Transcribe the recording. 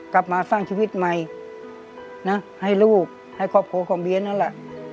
กลับมาสร้างชีวิตใหม่นะให้ลูกให้ครอบครัวของเบียนนั่นแหละ